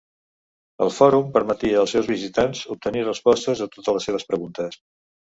El fòrum permetia els seus visitants obtenir respostes a totes les seves preguntes.